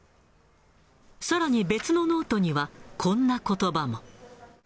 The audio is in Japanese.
さらに別のノートにはこんなことばも。